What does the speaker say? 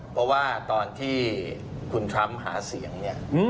เพราะว่าตอนที่คุณทรัมป์หาเสียงเนี่ย